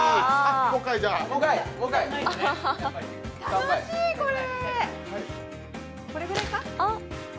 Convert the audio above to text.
楽しい、これ。